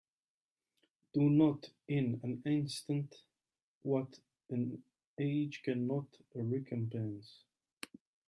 Do not in an instant what an age cannot recompense.